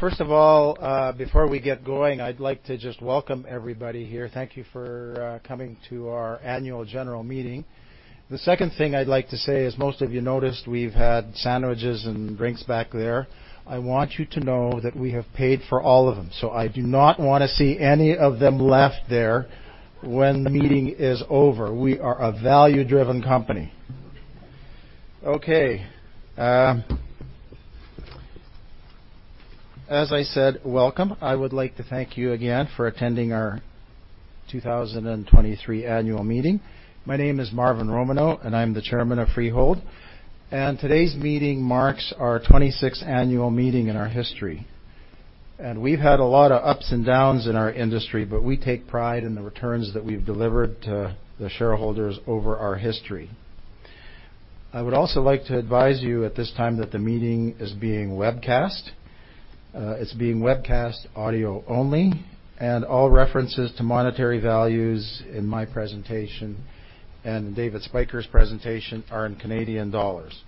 First of all, before we get going, I'd like to just welcome everybody here. Thank you for coming to our annual general meeting. The second thing I'd like to say is, most of you noticed we've had sandwiches and drinks back there. I want you to know that we have paid for all of them, so I do not want to see any of them left there when the meeting is over. We are a value-driven company. Okay. As I said, welcome. I would like to thank you again for attending our 2023 annual meeting. My name is Marvin Romanow, and I'm the Chairman of Freehold, and today's meeting marks our 26th annual meeting in our history. We've had a lot of ups and downs in our industry, but we take pride in the returns that we've delivered to the shareholders over our history. I would also like to advise you at this time that the meeting is being webcast. It's being webcast audio only, and all references to monetary values in my presentation and David Spyker's presentation are in Canadian dollars.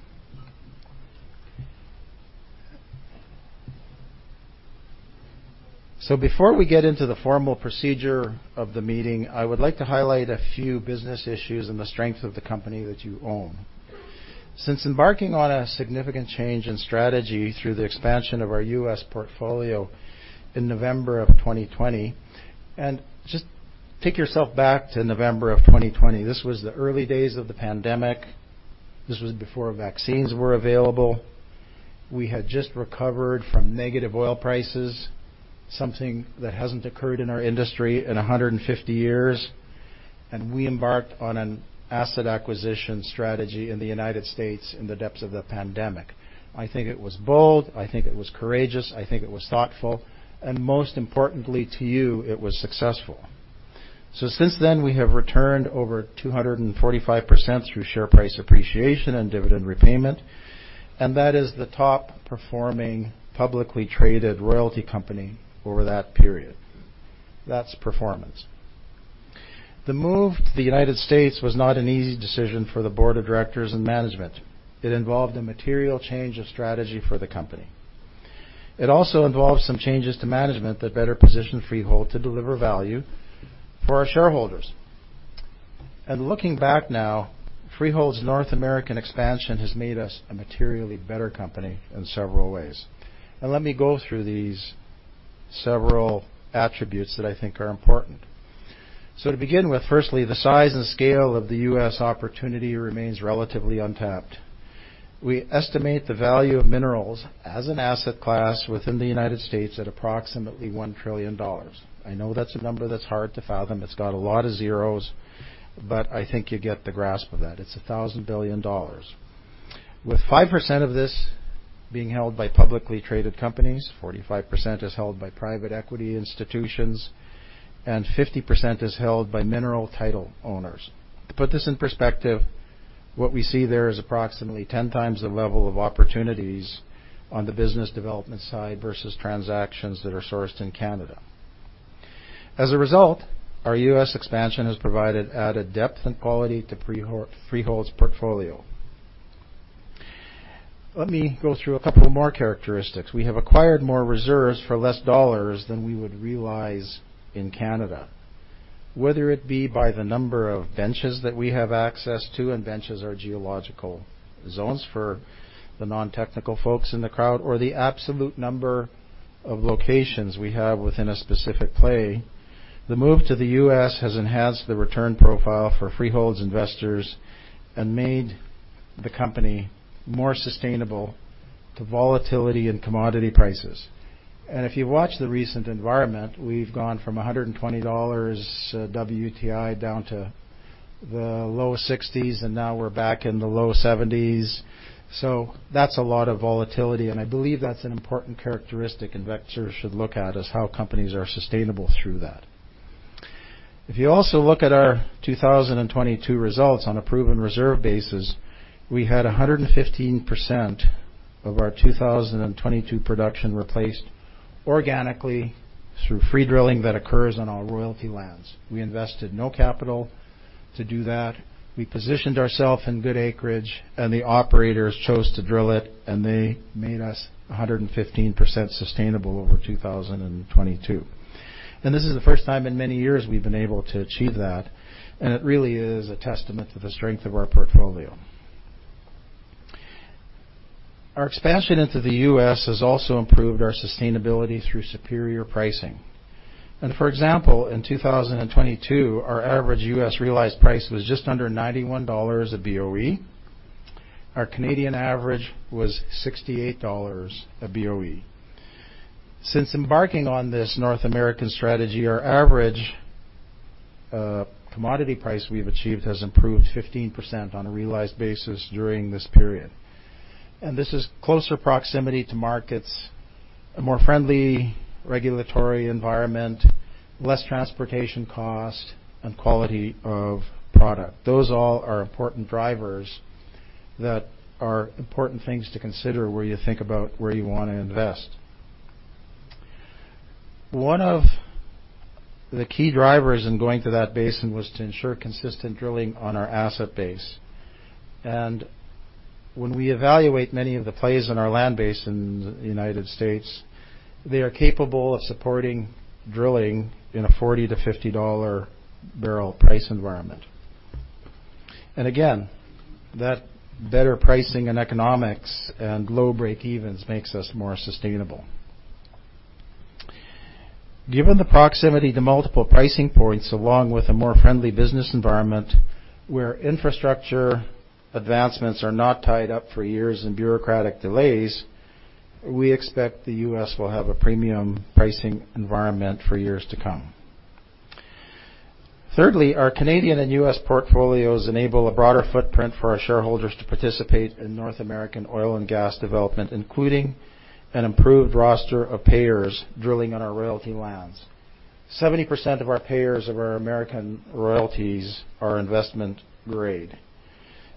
Before we get into the formal procedure of the meeting, I would like to highlight a few business issues and the strength of the company that you own. Since embarking on a significant change in strategy through the expansion of our U.S. portfolio in November of 2020, just take yourself back to November of 2020. This was the early days of the pandemic. This was before vaccines were available. We had just recovered from negative oil prices, something that hasn't occurred in our industry in 150 years, and we embarked on an asset acquisition strategy in the United States in the depths of the pandemic. I think it was bold, I think it was courageous, I think it was thoughtful, and most importantly to you, it was successful. So since then, we have returned over 245% through share price appreciation and dividend repayment, and that is the top-performing publicly traded royalty company over that period. That's performance. The move to the United States was not an easy decision for the board of directors and management. It involved a material change of strategy for the company. It also involved some changes to management that better positioned Freehold to deliver value for our shareholders. Looking back now, Freehold's North American expansion has made us a materially better company in several ways. Let me go through these several attributes that I think are important. To begin with, firstly, the size and scale of the U.S. opportunity remains relatively untapped. We estimate the value of minerals as an asset class within the United States at approximately 1 trillion dollars. I know that's a number that's hard to fathom. It's got a lot of zeros, but I think you get the grasp of that. It's 1,000 billion dollars. With 5% of this being held by publicly traded companies, 45% is held by private equity institutions, and 50% is held by mineral title owners. To put this in perspective, what we see there is approximately 10x the level of opportunities on the business development side versus transactions that are sourced in Canada. As a result, our U.S. expansion has provided added depth and quality to Freehold's portfolio. Let me go through a couple more characteristics. We have acquired more reserves for less dollars than we would realize in Canada. Whether it be by the number of benches that we have access to, and benches are geological zones for the non-technical folks in the crowd, or the absolute number of locations we have within a specific play. The move to the U.S. has enhanced the return profile for Freehold's investors and made the company more sustainable to volatility in commodity prices. If you watch the recent environment, we've gone from 120 dollars WTI down to the low 60s, and now we're back in the low 70s, so that's a lot of volatility, and I believe that's an important characteristic investors should look at, is how companies are sustainable through that. If you also look at our 2022 results on a proven reserve basis, we had 115% of our 2022 production replaced organically through free drilling that occurs on our royalty lands. We invested no capital to do that. We positioned ourselves in good acreage, and the operators chose to drill it, and they made us 115% sustainable over 2022. This is the first time in many years we've been able to achieve that, and it really is a testament to the strength of our portfolio. Our expansion into the U.S. has also improved our sustainability through superior pricing. For example, in 2022, our average U.S. realized price was just under 91 dollars a BOE, our Canadian average was 68 dollars a BOE. Since embarking on this North American strategy, our average commodity price we've achieved has improved 15% on a realized basis during this period, and this is closer proximity to markets, a more friendly regulatory environment, less transportation cost, and quality of product. Those all are important drivers that are important things to consider when you think about where you want to invest. One of the key drivers in going to that basin was to ensure consistent drilling on our asset base. When we evaluate many of the plays in our land base in the United States, they are capable of supporting drilling in a 40-50 dollar barrel price environment. Again, that better pricing and economics and low breakevens makes us more sustainable. Given the proximity to multiple pricing points, along with a more friendly business environment where infrastructure advancements are not tied up for years in bureaucratic delays, we expect the U.S. will have a premium pricing environment for years to come. Thirdly, our Canadian and U.S. portfolios enable a broader footprint for our shareholders to participate in North American oil and gas development, including an improved roster of payers drilling on our royalty lands. 70% of our payers of our American royalties are investment grade.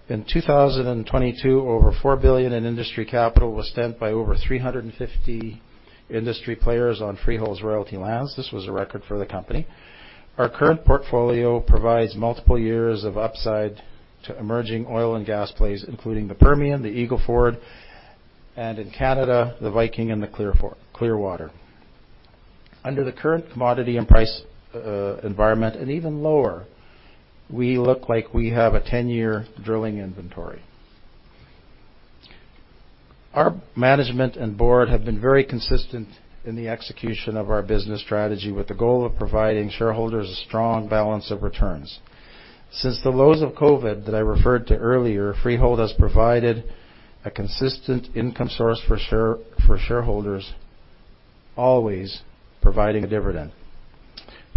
In 2022, over 4 billion in industry capital was spent by over 350 industry players on Freehold's royalty lands. This was a record for the company. Our current portfolio provides multiple years of upside to emerging oil and gas plays, including the Permian, the Eagle Ford, and in Canada, the Viking and the Clearwater. Under the current commodity and price environment, and even lower, we look like we have a 10-year drilling inventory. Our management and board have been very consistent in the execution of our business strategy with the goal of providing shareholders a strong balance of returns. Since the lows of COVID that I referred to earlier, Freehold has provided a consistent income source for shareholders, always providing a dividend.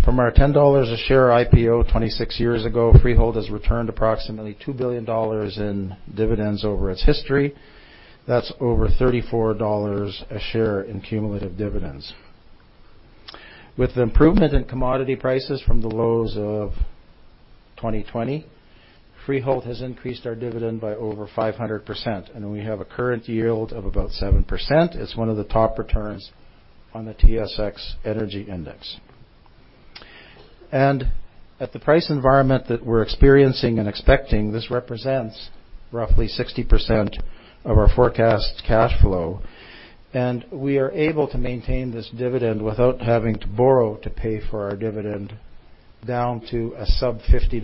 From our 10 dollars a share IPO 26 years ago, Freehold has returned approximately 2 billion dollars in dividends over its history. That's over 34 dollars a share in cumulative dividends. With the improvement in commodity prices from the lows of 2020, Freehold has increased our dividend by over 500%, and we have a current yield of about 7%. It's one of the top returns on the TSX Energy Index. At the price environment that we're experiencing and expecting, this represents roughly 60% of our forecast cash flow, and we are able to maintain this dividend without having to borrow to pay for our dividend down to a sub-CAD 50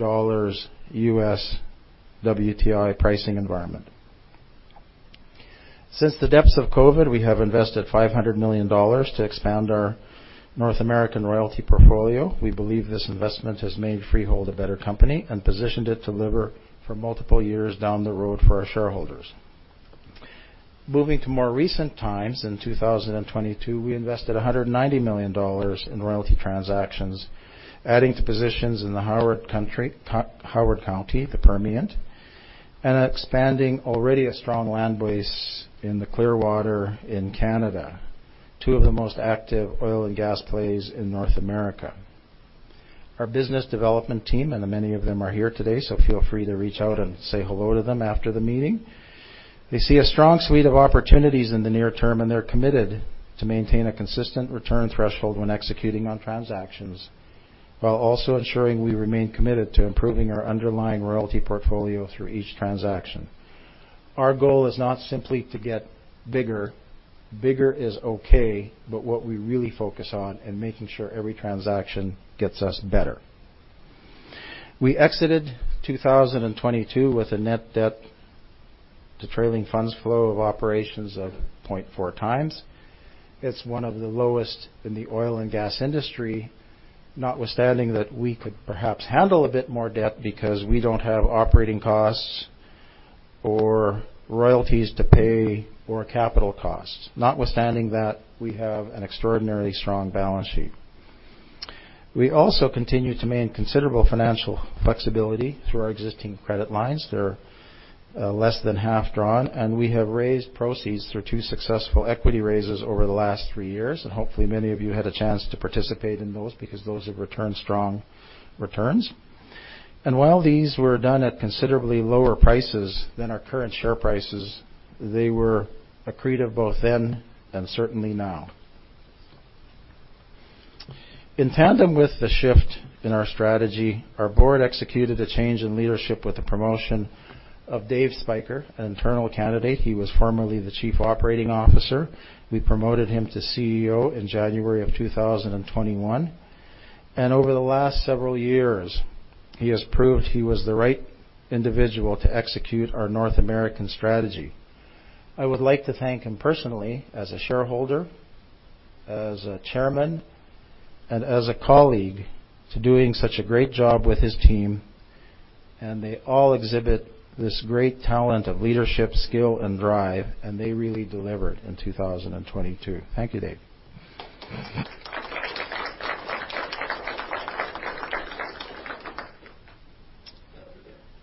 US WTI pricing environment. Since the depths of COVID, we have invested 500 million dollars to expand our North American royalty portfolio. We believe this investment has made Freehold a better company and positioned it to deliver for multiple years down the road for our shareholders. Moving to more recent times, in 2022, we invested 190 million dollars in royalty transactions, adding to positions in the Howard County, the Permian, and expanding already a strong land base in the Clearwater in Canada, two of the most active oil and gas plays in North America. Our business development team, and many of them are here today, so feel free to reach out and say hello to them after the meeting. They see a strong suite of opportunities in the near term, and they're committed to maintain a consistent return threshold when executing on transactions while also ensuring we remain committed to improving our underlying royalty portfolio through each transaction. Our goal is not simply to get bigger. Bigger is okay, but what we really focus on in making sure every transaction gets us better. We exited 2022 with a net debt to trailing funds flow of operations of 0.4x. It's one of the lowest in the oil and gas industry, notwithstanding that we could perhaps handle a bit more debt because we don't have operating costs or royalties to pay or capital costs. Notwithstanding that, we have an extraordinarily strong balance sheet. We also continue to maintain considerable financial flexibility through our existing credit lines. They're less than half drawn, and we have raised proceeds through two successful equity raises over the last three years, and hopefully, many of you had a chance to participate in those because those have returned strong returns. While these were done at considerably lower prices than our current share prices, they were accretive both then and certainly now. In tandem with the shift in our strategy, our board executed a change in leadership with the promotion of Dave Spyker, an internal candidate. He was formerly the Chief Operating Officer. We promoted him to CEO in January of 2021, and over the last several years, he has proved he was the right individual to execute our North American strategy. I would like to thank him personally as a shareholder, as a chairman, and as a colleague to doing such a great job with his team, and they all exhibit this great talent of leadership, skill, and drive, and they really delivered in 2022. Thank you, Dave.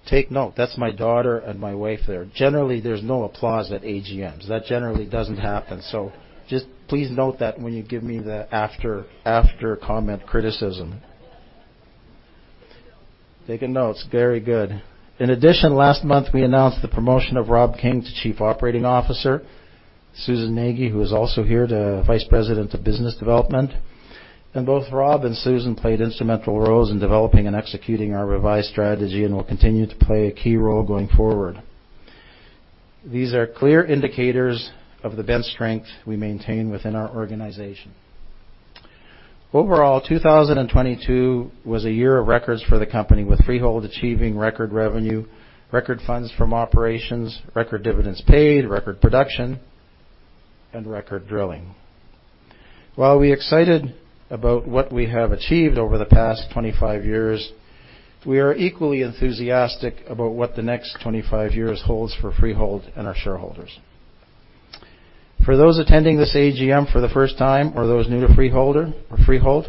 Take note, that's my daughter and my wife there. Generally, there's no applause at AGMs. That generally doesn't happen, so just please note that when you give me the after-comment criticism. Taking notes. Very good. In addition, last month we announced the promotion of Rob King to Chief Operating Officer, Susan Nagy, who is also here, the Vice President of Business Development, and both Rob and Susan played instrumental roles in developing and executing our revised strategy and will continue to play a key role going forward. These are clear indicators of the bench strength we maintain within our organization. Overall, 2022 was a year of records for the company, with Freehold achieving record revenue, record funds from operations, record dividends paid, record production, and record drilling. While we're excited about what we have achieved over the past 25 years, we are equally enthusiastic about what the next 25 years holds for Freehold and our shareholders. For those attending this AGM for the first time or those new to Freehold,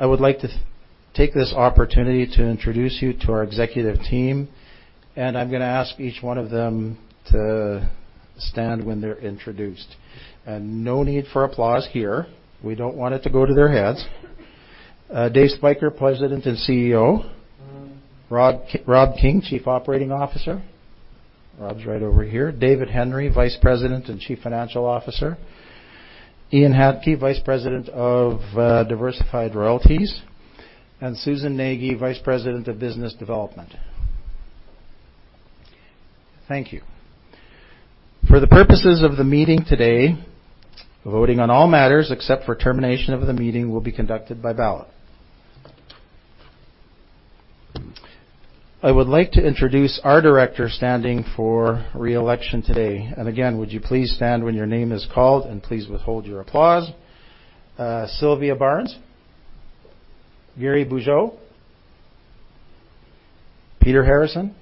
I would like to take this opportunity to introduce you to our executive team, and I'm going to ask each one of them to stand when they're introduced, and no need for applause here. We don't want it to go to their heads. Dave Spyker, President and CEO, Rob King, Chief Operating Officer. Rob's right over here. David Hendry, Vice President and Chief Financial Officer. Ian Hantke, Vice President of Diversified Royalties, and Susan Nagy, Vice President of Business Development. Thank you. For the purposes of the meeting today, voting on all matters except for termination of the meeting will be conducted by ballot. I would like to introduce our directors standing for re-election today, and again, would you please stand when your name is called, and please withhold your applause. Sylvia Barnes, Gary Bugeaud, Peter Harrison,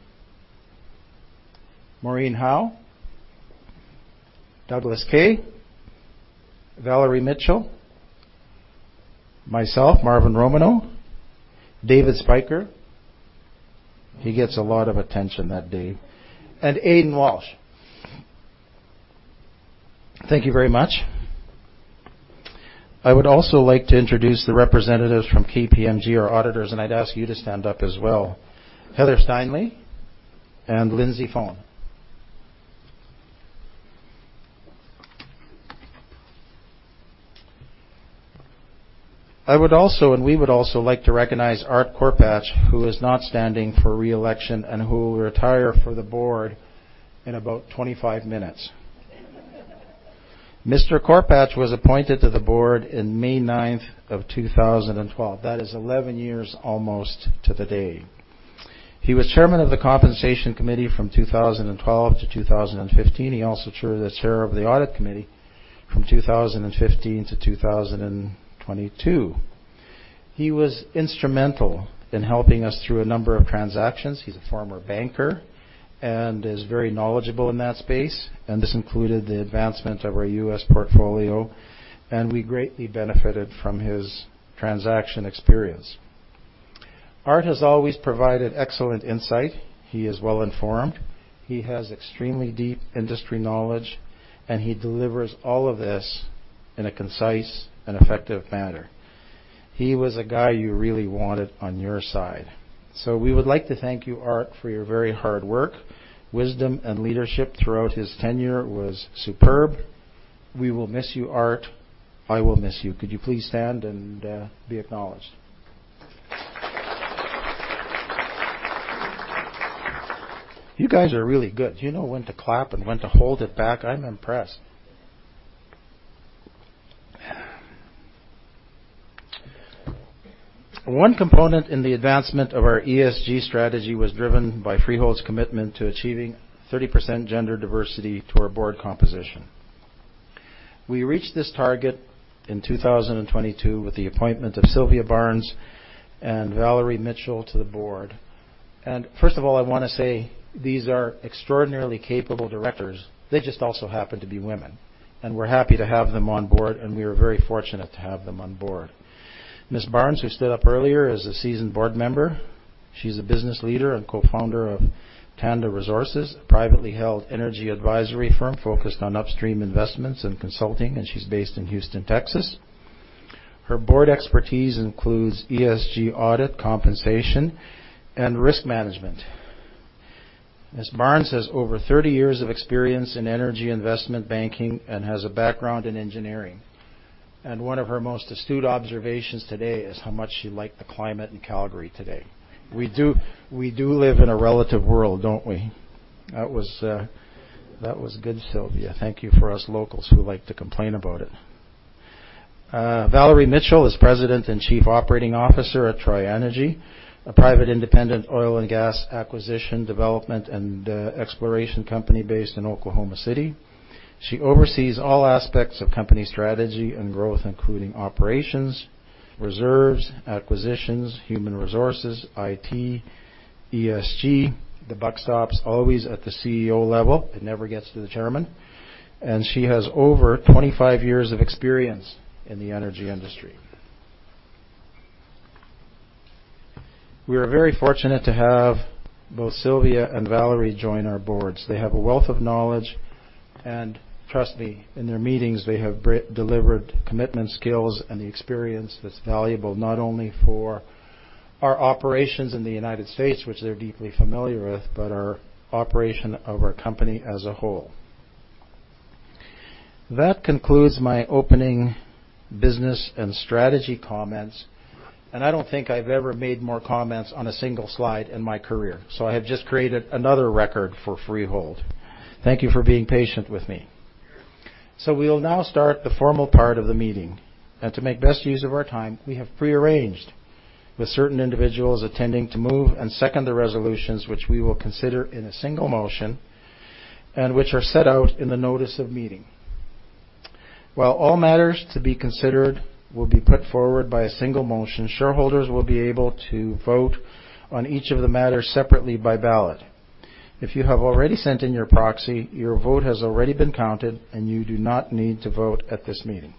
Maureen Howe, Douglas Kay, Valerie Mitchell, myself, Marvin Romanow, David Spyker, he gets a lot of attention that day, and Aidan Walsh. Thank you very much. I would also like to introduce the representatives from KPMG, our auditors, and I'd ask you to stand up as well. Heather Steinley and Lindsay Phone. We would also like to recognize Art Korpach, who is not standing for re-election and who will retire from the Board in about 25 minutes. Mr. Korpach was appointed to the Board in May 9th of 2012. That is 11 years almost to the day. He was Chairman of the Compensation Committee from 2012-2015. He also chaired the Audit Committee from 2015-2022. He was instrumental in helping us through a number of transactions. He's a former banker and is very knowledgeable in that space, and this included the advancement of our U.S. portfolio, and we greatly benefited from his transaction experience. Art has always provided excellent insight. He is well-informed. He has extremely deep industry knowledge, and he delivers all of this in a concise and effective manner. He was a guy you really wanted on your side. So we would like to thank you, Art, for your very hard work. Wisdom and leadership throughout his tenure was superb. We will miss you, Art. I will miss you. Could you please stand and be acknowledged? You guys are really good. You know when to clap and when to hold it back. I'm impressed. One component in the advancement of our ESG strategy was driven by Freehold's commitment to achieving 30% gender diversity to our board composition. We reached this target in 2022 with the appointment of Sylvia Barnes and Valerie Mitchell to the board, and first of all, I want to say these are extraordinarily capable directors. They just also happen to be women, and we're happy to have them on board, and we are very fortunate to have them on board. Ms. Barnes, who stood up earlier, is a seasoned board member. She's a business leader and co-founder of Tanda Resources, a privately held energy advisory firm focused on upstream investments and consulting, and she's based in Houston, Texas. Her board expertise includes ESG audit, compensation, and risk management. Ms. Barnes has over 30 years of experience in energy investment banking and has a background in engineering, and one of her most astute observations today is how much she liked the climate in Calgary today. We do live in a relative world, don't we? That was good, Sylvia. Thank you for us locals who like to complain about it. Valerie Mitchell is President and Chief Operating Officer at Troy Energy, a private independent oil and gas acquisition, development, and exploration company based in Oklahoma City. She oversees all aspects of company strategy and growth, including operations, reserves, acquisitions, human resources, IT, ESG. The buck stops always at the CEO level. It never gets to the chairman, and she has over 25 years of experience in the energy industry. We are very fortunate to have both Sylvia and Valerie join our boards. They have a wealth of knowledge, and trust me, in their meetings, they have delivered commitment, skills, and the experience that's valuable not only for our operations in the United States, which they're deeply familiar with, but our operation of our company as a whole. That concludes my opening business and strategy comments, and I don't think I've ever made more comments on a single slide in my career, so I have just created another record for Freehold. Thank you for being patient with me. So we'll now start the formal part of the meeting, and to make best use of our time, we have pre-arranged with certain individuals attending to move and second the resolutions which we will consider in a single motion and which are set out in the notice of meeting. While all matters to be considered will be put forward by a single motion, shareholders will be able to vote on each of the matters separately by ballot. If you have already sent in your proxy, your vote has already been counted, and you do not need to vote at this meeting.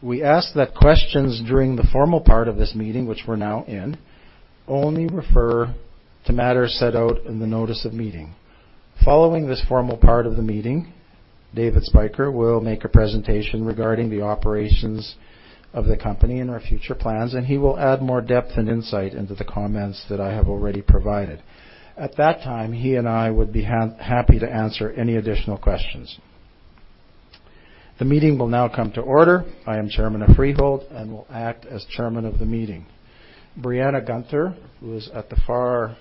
We ask that questions during the formal part of this meeting, which we're now in, only refer to matters set out in the notice of meeting. Following this formal part of the meeting, David Spyker will make a presentation regarding the operations of the company and our future plans, and he will add more depth and insight into the comments that I have already provided. At that time, he and I would be happy to answer any additional questions. The meeting will now come to order. I am Chairman of Freehold and will act as Chairman of the meeting. Brianna Guenther, who is at the far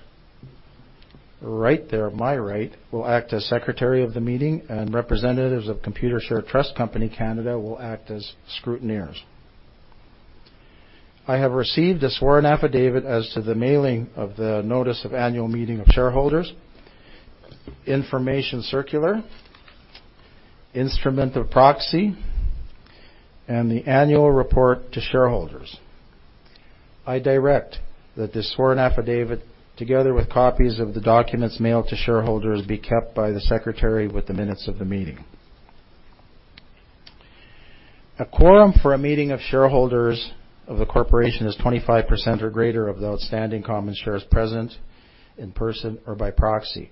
right there, my right, will act as Secretary of the meeting, and representatives of Computershare Trust Company of Canada will act as scrutineers. I have received a sworn affidavit as to the mailing of the notice of annual meeting of shareholders, information circular, instrument of proxy, and the annual report to shareholders. I direct that the sworn affidavit, together with copies of the documents mailed to shareholders, be kept by the secretary with the minutes of the meeting. A quorum for a meeting of shareholders of the corporation is 25% or greater of the outstanding common shares present in person or by proxy.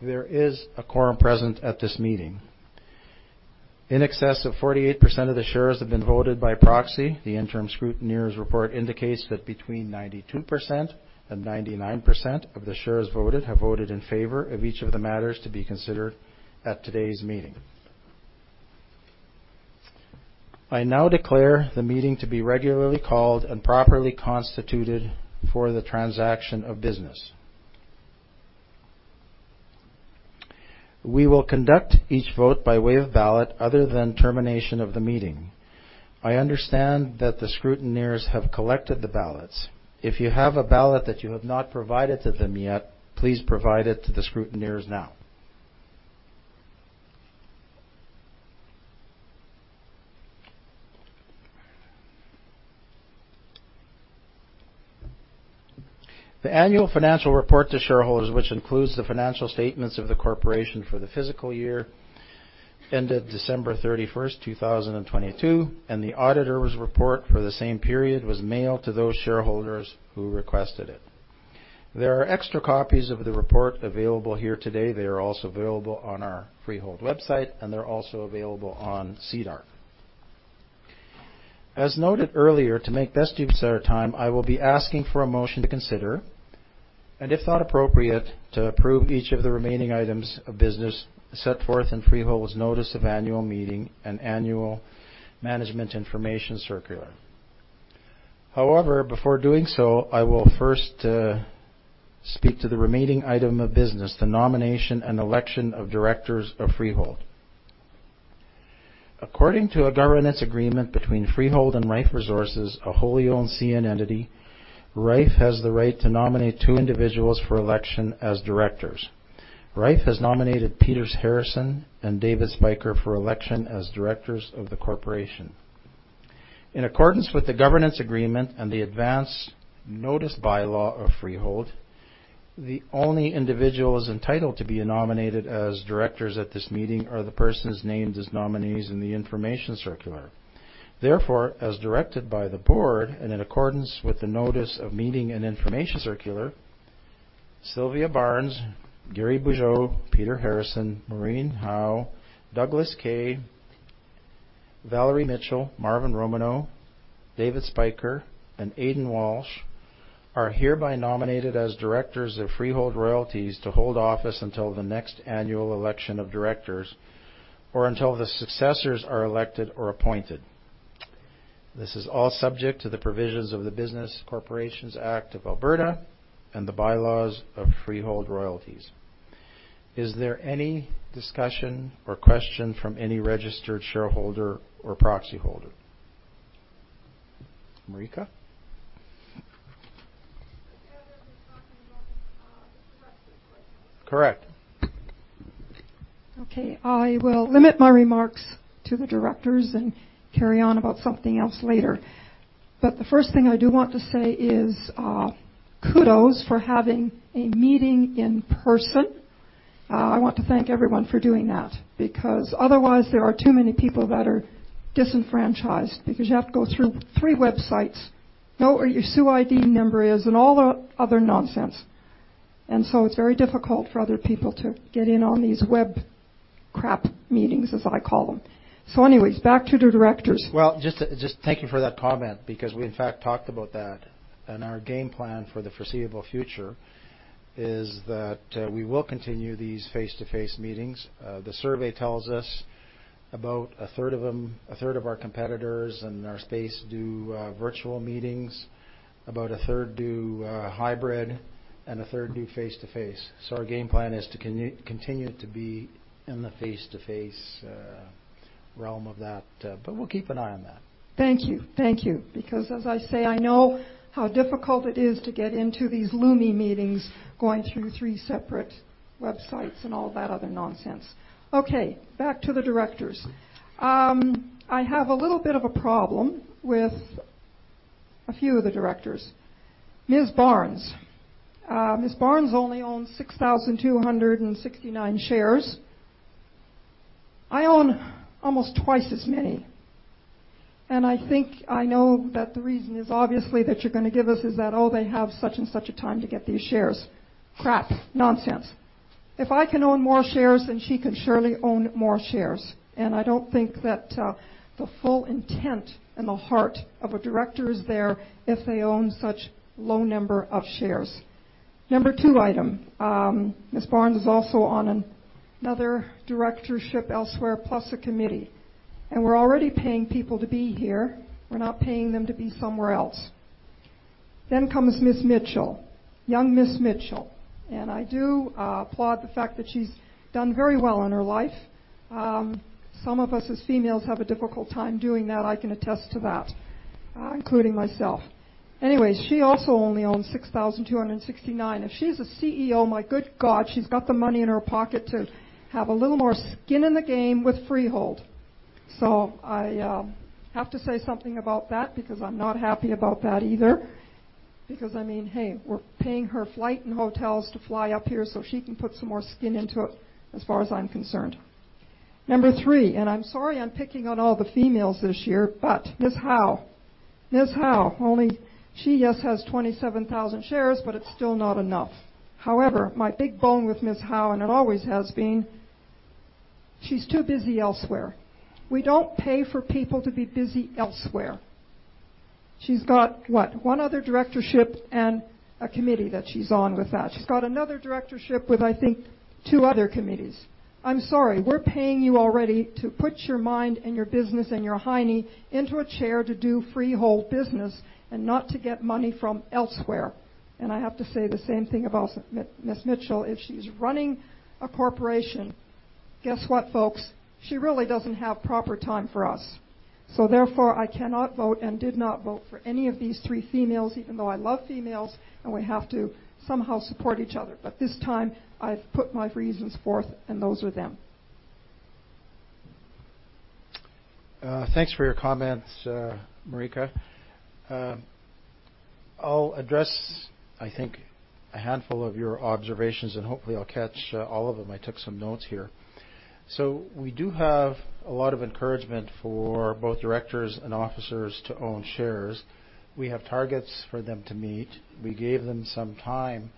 There is a quorum present at this meeting. In excess of 48% of the shares have been voted by proxy. The interim scrutineers report indicates that between 92% and 99% of the shares voted have voted in favor of each of the matters to be considered at today's meeting. I now declare the meeting to be regularly called and properly constituted for the transaction of business. We will conduct each vote by way of ballot other than termination of the meeting. I understand that the scrutineers have collected the ballots. If you have a ballot that you have not provided to them yet, please provide it to the scrutineers now. The annual financial report to shareholders, which includes the financial statements of the corporation for the fiscal year ended December 31st, 2022, and the auditor's report for the same period, was mailed to those shareholders who requested it. There are extra copies of the report available here today. They are also available on our Freehold website, and they're also available on SEDAR. As noted earlier, to make best use of our time, I will be asking for a motion to consider, and if thought appropriate, to approve each of the remaining items of business set forth in Freehold's notice of annual meeting and annual management information circular. However, before doing so, I will first speak to the remaining item of business, the nomination and election of directors of Freehold. According to a governance agreement between Freehold and Rife Resources, a wholly-owned CN entity, Rife has the right to nominate two individuals for election as directors. Rife has nominated Peter Harrison and David Spyker for election as directors of the corporation. In accordance with the governance agreement and the advance notice bylaw of Freehold, the only individuals entitled to be nominated as directors at this meeting are the persons named as nominees in the information circular. Therefore, as directed by the board and in accordance with the notice of meeting and information circular, Sylvia Barnes, Gary Bugeaud, Peter Harrison, Maureen Howe, Douglas Kay, Valerie Mitchell, Marvin Romanow, David Spyker, and Aidan Walsh are hereby nominated as directors of Freehold Royalties to hold office until the next annual election of directors or until the successors are elected or appointed. This is all subject to the provisions of the Business Corporations Act of Alberta and the bylaws of Freehold Royalties. Is there any discussion or question from any registered shareholder or proxy holder? Marika? Correct. Okay. I will limit my remarks to the directors and carry on about something else later. The first thing I do want to say is kudos for having a meeting in person. I want to thank everyone for doing that, because otherwise there are too many people that are disenfranchised because you have to go through three websites, know where your SUID number is, and all the other nonsense. It's very difficult for other people to get in on these web crap meetings, as I call them. Anyways, back to the directors. Well, just thank you for that comment because we, in fact, talked about that, and our game plan for the foreseeable future is that we will continue these face-to-face meetings. The survey tells us about a third of our competitors in our space do virtual meetings, about a third do hybrid, and a third do face-to-face, so our game plan is to continue to be in the face-to-face realm of that, but we'll keep an eye on that. Thank you. Because as I say, I know how difficult it is to get into these Lumi meetings, going through three separate websites and all that other nonsense. Okay, back to the directors. I have a little bit of a problem with a few of the directors. Ms. Barnes. Ms. Barnes only owns 6,269 shares. I own almost twice as many, and I think I know that the reason is obviously that you're going to give us is that, oh, they have such and such a time to get these shares. Crap. Nonsense. If I can own more shares, then she can surely own more shares, and I don't think that the full intent and the heart of a director is there if they own such low number of shares. Number two item, Ms. Barnes is also on another directorship elsewhere plus a committee. We're already paying people to be here. We're not paying them to be somewhere else, then comes Ms. Mitchell, young Ms. Mitchell, and I do applaud the fact that she's done very well in her life. Some of us, as females, have a difficult time doing that. I can attest to that, including myself. Anyways, she also only owns 6,269. If she's a CEO, my good God, she's got the money in her pocket to have a little more skin in the game with Freehold, so I have to say something about that because I'm not happy about that either because, I mean, hey, we're paying her flight and hotels to fly up here so she can put some more skin into it as far as I'm concerned. Number three, and I'm sorry I'm picking on all the females this year, but Ms. Howe. Ms. Howe, she, yes, has 27,000 shares, but it's still not enough. However, my big bone with Ms. Howe, and it always has been, she's too busy elsewhere. We don't pay for people to be busy elsewhere. She's got what? One other directorship and a committee that she's on with that. She's got another directorship with, I think, two other committees. I'm sorry. We're paying you already to put your mind and your business and your hiney into a chair to do Freehold business and not to get money from elsewhere, and I have to say the same thing about Ms. Mitchell. If she's running a corporation, guess what, folks? She really doesn't have proper time for us, so therefore, I cannot vote and did not vote for any of these three females, even though I love females, and we have to somehow support each other, but this time, I've put my reasons forth, and those are them. Thanks for your comments, Marika. I'll address, I think, a handful of your observations, and hopefully, I'll catch all of them. I took some notes here. We do have a lot of encouragement for both directors and officers to own shares. We have targets for them to meet. We gave them some time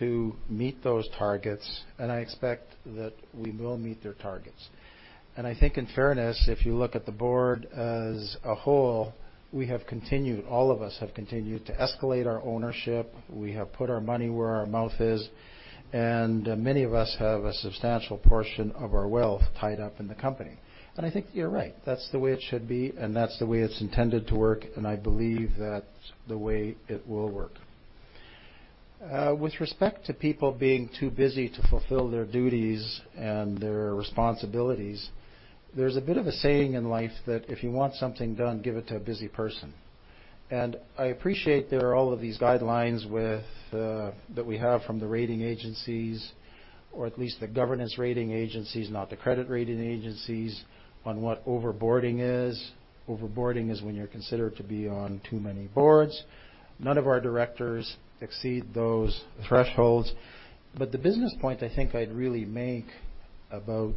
to meet those targets, and I expect that we will meet their targets. I think in fairness, if you look at the board as a whole, we have continued, all of us have continued to escalate our ownership. We have put our money where our mouth is, and many of us have a substantial portion of our wealth tied up in the company, and I think you're right. That's the way it should be, and that's the way it's intended to work, and I believe that's the way it will work. With respect to people being too busy to fulfill their duties and their responsibilities, there's a bit of a saying in life that if you want something done, give it to a busy person, and I appreciate there are all of these guidelines that we have from the rating agencies, or at least the governance rating agencies, not the credit rating agencies, on what over-boarding is. Over-boarding is when you're considered to be on too many boards. None of our directors exceed those thresholds, but the business point I think I'd really make about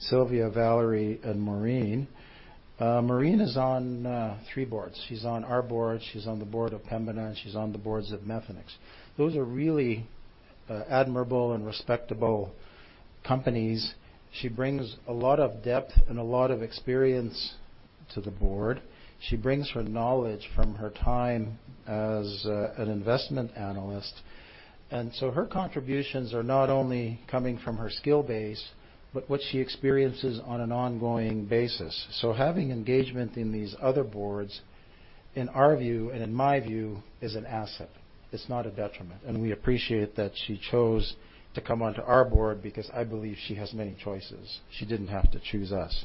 Sylvia, Valerie, and Maureen. Maureen is on three boards. She's on our board, she's on the board of Pembina, and she's on the boards of Methanex. Those are really admirable and respectable companies. She brings a lot of depth and a lot of experience to the board. She brings her knowledge from her time as an investment analyst, and so her contributions are not only coming from her skill base, but what she experiences on an ongoing basis, so having engagement in these other boards, in our view and in my view, is an asset. It's not a detriment. We appreciate that she chose to come onto our board because I believe she has many choices. She didn't have to choose us.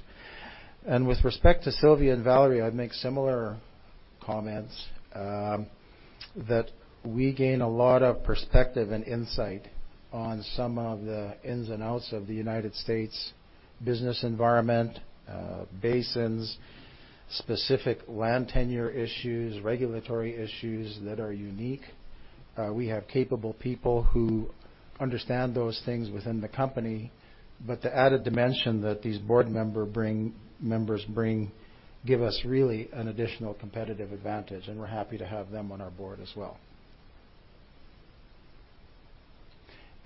With respect to Sylvia and Valerie, I'd make similar comments that we gain a lot of perspective and insight on some of the ins and outs of the United States business environment, basins, specific land tenure issues, regulatory issues that are unique. We have capable people who understand those things within the company. The added dimension that these board members bring give us really an additional competitive advantage, and we're happy to have them on our board as well.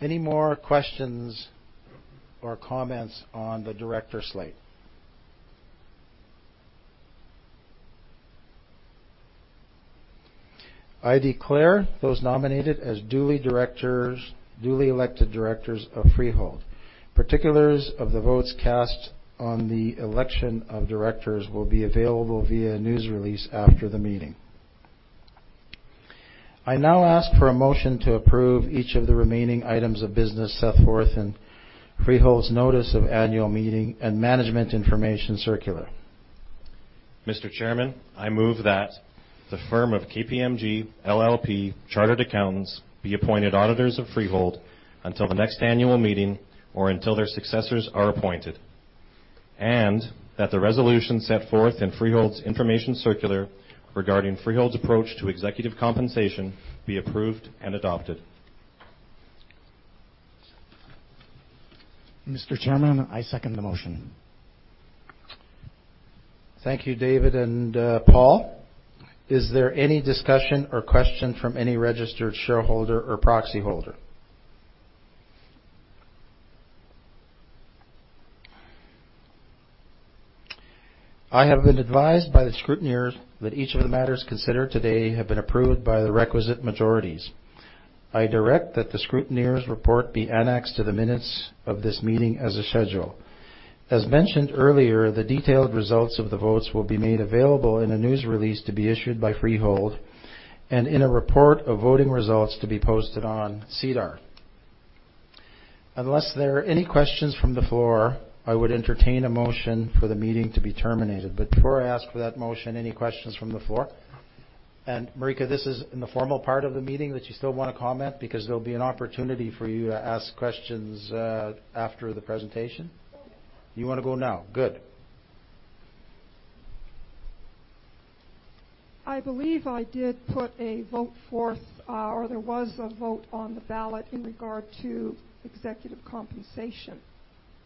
Any more questions or comments on the director slate? I declare those nominated as duly elected directors of Freehold. Particulars of the votes cast on the election of directors will be available via news release after the meeting. I now ask for a motion to approve each of the remaining items of business set forth in Freehold's notice of annual meeting and management information circular. Mr. Chairman, I move that the firm of KPMG LLP Chartered Accountants be appointed auditors of Freehold until the next annual meeting or until their successors are appointed, and that the resolution set forth in Freehold's information circular regarding Freehold's approach to executive compensation be approved and adopted. Mr. Chairman, I second the motion. Thank you, David and Paul. Is there any discussion or question from any registered shareholder or proxy holder? I have been advised by the scrutineers that each of the matters considered today have been approved by the requisite majorities. I direct that the scrutineers' report be annexed to the minutes of this meeting as a schedule. As mentioned earlier, the detailed results of the votes will be made available in a news release to be issued by Freehold and in a report of voting results to be posted on SEDAR. Unless there are any questions from the floor, I would entertain a motion for the meeting to be terminated. Before I ask for that motion, any questions from the floor? Marika, this is in the formal part of the meeting that you still want to comment because there'll be an opportunity for you to ask questions after the presentation. You want to go now? Good. I believe I did put a vote forth, or there was a vote on the ballot in regard to executive compensation.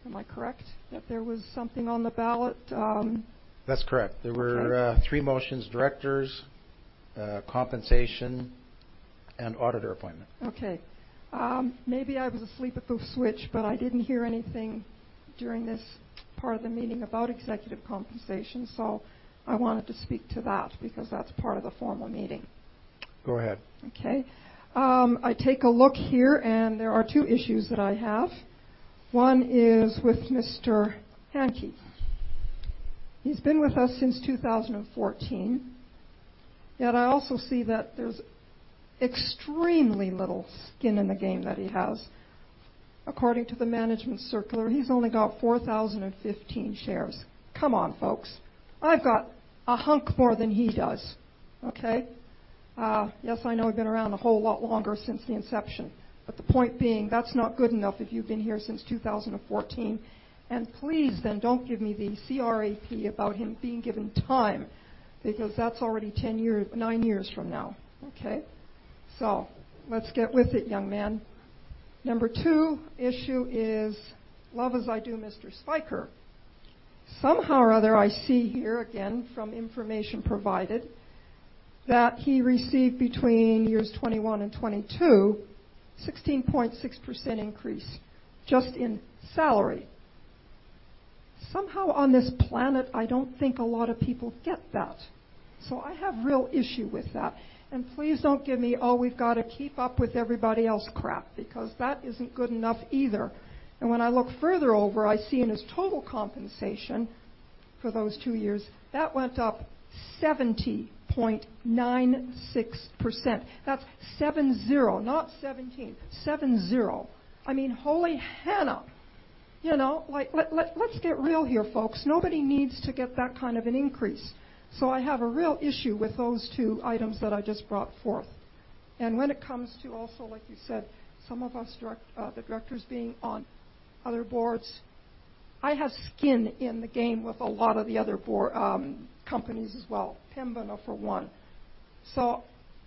Am I correct that there was something on the ballot? That's correct. There were three motions, directors, compensation, and auditor appointment. Okay. Maybe I was asleep at the switch, but I didn't hear anything during this part of the meeting about executive compensation, so I wanted to speak to that because that's part of the formal meeting. Go ahead. Okay. I take a look here, and there are two issues that I have. One is with Mr. Hantke. He's been with us since 2014, yet I also see that there's extremely little skin in the game that he has. According to the management circular, he's only got 4,015 shares. Come on, folks. I've got a hunk more than he does. Okay? Yes, I know I've been around a whole lot longer since the inception, but the point being, that's not good enough if you've been here since 2014, and please, then don't give me the C-R-A-P about him being given time because that's already nine years from now. Okay? Let's get with it, young man. Number two issue is, love as I do Mr. Spyker, somehow or other, I see here again from information provided that he received between years 2021 and 2022, 16.6% increase just in salary. Somehow on this planet, I don't think a lot of people get that, so I have real issue with that. Please don't give me, oh, we've got to keep up with everybody else crap, because that isn't good enough either, and when I look further over, I see in his total compensation for those two years, that went up 70.96%. That's 70, not 17. 70. I mean, holy Hannah. Let's get real here, folks. Nobody needs to get that kind of an increase. So I have a real issue with those two items that I just brought forth. When it comes to also, like you said, some of us, the directors being on other boards, I have skin in the game with a lot of the other companies as well, Pembina for one, so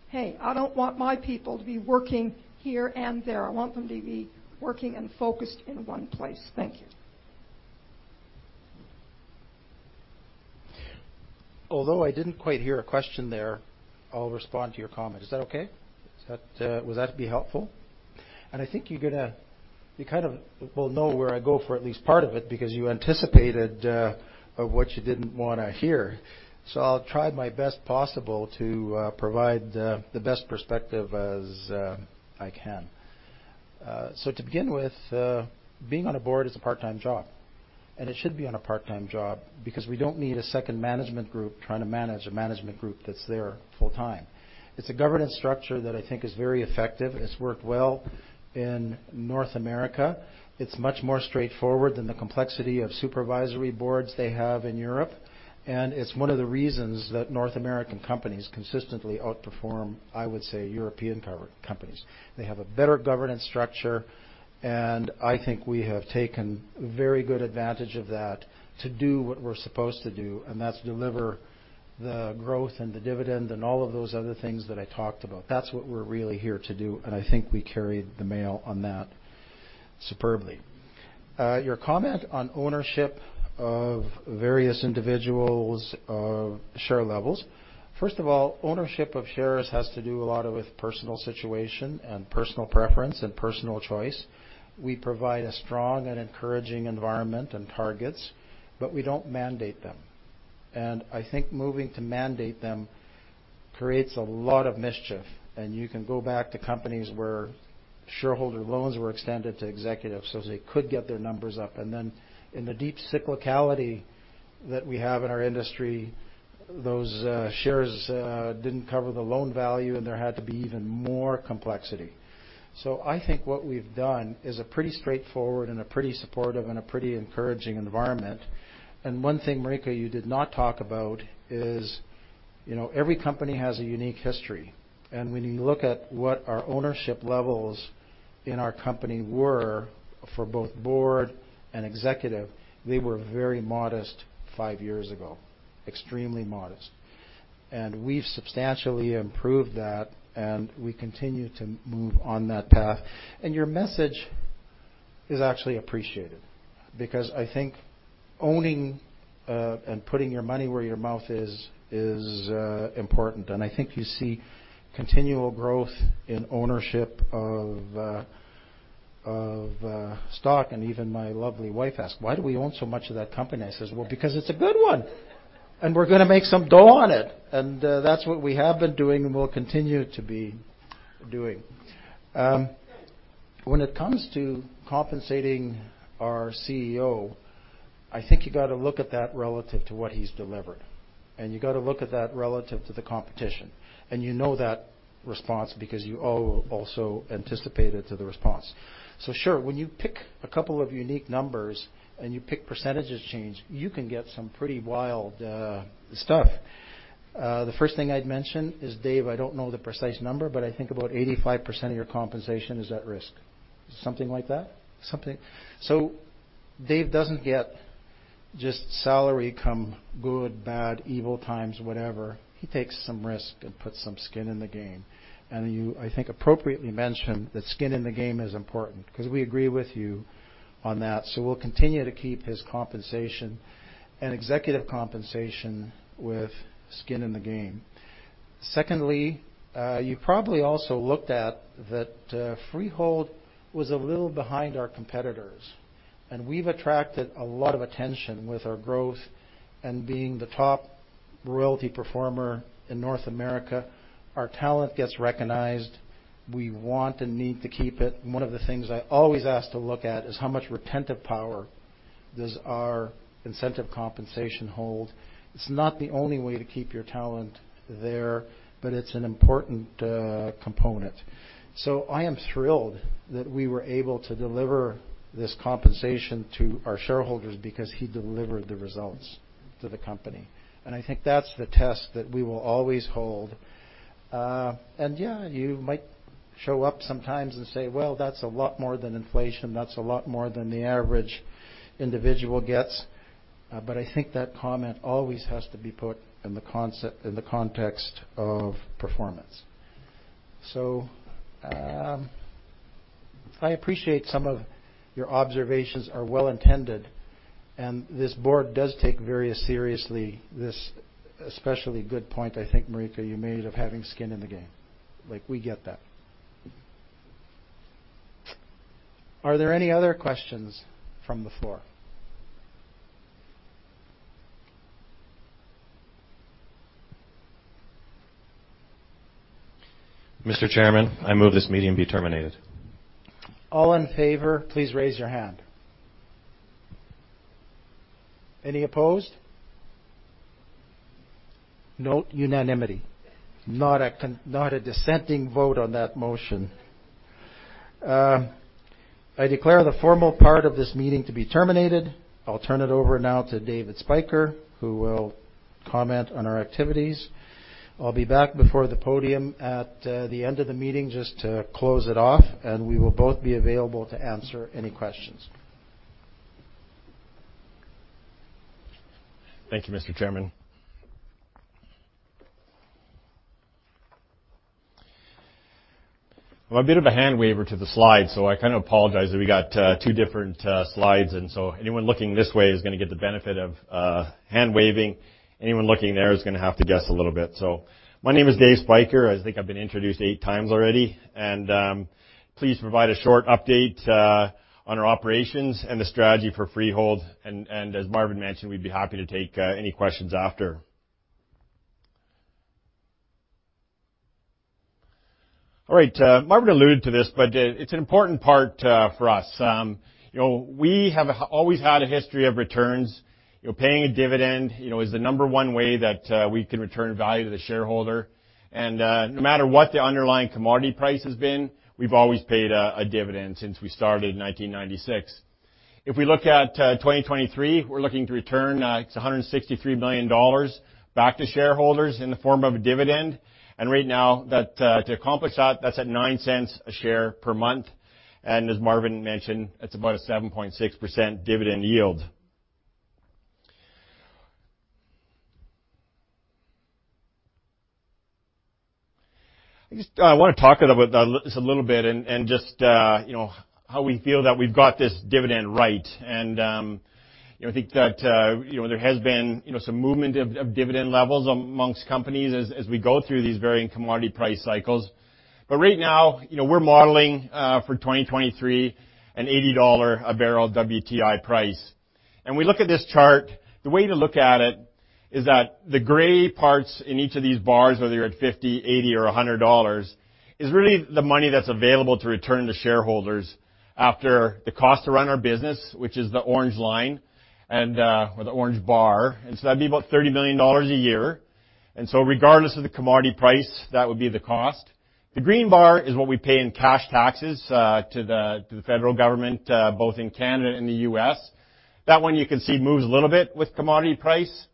hey, I don't want my people to be working here and there. I want them to be working and focused in one place. Thank you. Although I didn't quite hear a question there, I'll respond to your comment. Is that okay? Will that be helpful? I think you kind of will know where I go for at least part of it because you anticipated what you didn't want to hear, so I'll try my best possible to provide the best perspective as I can. To begin with, being on a board is a part-time job, and it should be a part-time job because we don't need a second management group trying to manage a management group that's there full-time. It's a governance structure that I think is very effective. It's worked well in North America. It's much more straightforward than the complexity of supervisory boards they have in Europe, and it's one of the reasons that North American companies consistently outperform, I would say, European companies. They have a better governance structure, and I think we have taken very good advantage of that to do what we're supposed to do, and that's deliver the growth and the dividend and all of those other things that I talked about. That's what we're really here to do, and I think we carried the mail on that, superbly. Your comment on ownership of various individuals' share levels. First of all, ownership of shares has to do a lot with personal situation, and personal preference, and personal choice. We provide a strong and encouraging environment and targets, but we don't mandate them, and I think moving to mandate them creates a lot of mischief, and you can go back to companies where shareholder loans were extended to executives so they could get their numbers up. Then in the deep cyclicality that we have in our industry, those shares didn't cover the loan value, and there had to be even more complexity, so I think what we've done is a pretty straightforward and a pretty supportive and a pretty encouraging environment. One thing, Marika, you did not talk about is every company has a unique history, and when you look at what our ownership levels in our company were for both board and executive, they were very modest five years ago, extremely modest, and we've substantially improved that, and we continue to move on that path. Your message is actually appreciated because I think owning and putting your money where your mouth is important, and I think you see continual growth in ownership of stock. Even my lovely wife asked, "Why do we own so much of that company?" I says, "Well, because it's a good one, and we're going to make some dough on it." That's what we have been doing and will continue to be doing. When it comes to compensating our CEO, I think you got to look at that relative to what he's delivered, and you got to look at that relative to the competition, and you know that response because you also anticipated the response. So sure, when you pick a couple of unique numbers and you pick percentage changes, you can get some pretty wild stuff. The first thing I'd mention is, Dave, I don't know the precise number, but I think about 85% of your compensation is at risk. Something like that? Dave doesn't get just salary come good, bad, evil times, whatever. He takes some risk and puts some skin in the game. You, I think, appropriately mentioned that skin in the game is important because we agree with you on that, so we'll continue to keep his compensation and executive compensation with skin in the game. Secondly, you probably also looked at that Freehold was a little behind our competitors, and we've attracted a lot of attention with our growth and being the top royalty performer in North America. Our talent gets recognized. We want and need to keep it. One of the things I always ask to look at is how much retentive power does our incentive compensation hold. It's not the only way to keep your talent there, but it's an important component, so I am thrilled that we were able to deliver this compensation to our shareholders because he delivered the results to the company. I think that's the test that we will always hold. Yeah, you might show up sometimes and say, "Well, that's a lot more than inflation. That's a lot more than the average individual gets." I think that comment always has to be put in the context of performance. I appreciate some of your observations are well-intended, and this board does take very seriously this especially good point I think, Marika, you made of having skin in the game. We get that. Are there any other questions from the floor? Mr. Chairman, I move this meeting be terminated. All in favor, please raise your hand. Any opposed? Note unanimity. Not a dissenting vote on that motion. I declare the formal part of this meeting to be terminated. I'll turn it over now to David Spyker, who will comment on our activities. I'll be back before the podium at the end of the meeting just to close it off, and we will both be available to answer any questions. Thank you, Mr. Chairman. I'm a bit of a hand waver to the slide, so I kind of apologize that we got two different slides, and so anyone looking this way is going to get the benefit of hand waving. Anyone looking there is going to have to guess a little bit. My name is David Spyker. I think I've been introduced eight times already. Please provide a short update on our operations and the strategy for Freehold, and as Marvin mentioned, we'd be happy to take any questions after. All right. Marvin alluded to this, but it's an important part for us. We have always had a history of returns. Paying a dividend is the number one way that we can return value to the shareholder, and no matter what the underlying commodity price has been, we've always paid a dividend since we started in 1996. If we look at 2023, we're looking to return 163 million dollars back to shareholders in the form of a dividend, and right now, to accomplish that's at 0.9 a share per month. As Marvin mentioned, it's about a 7.6% dividend yield. I just want to talk about this a little bit and just how we feel that we've got this dividend right, and I think that there has been some movement of dividend levels amongst companies as we go through these varying commodity price cycles, but right now, we're modeling for 2023 an 80 dollar a barrel WTI price. We look at this chart, the way to look at it is that the gray parts in each of these bars, whether you're at 50, 80, or 100 dollars, is really the money that's available to return to shareholders after the cost to run our business, which is the orange line or the orange bar. That'd be about 30 million dollars a year. Regardless of the commodity price, that would be the cost. The green bar is what we pay in cash taxes to the federal government both in Canada and the U.S. That one you can see moves a little bit with commodity price,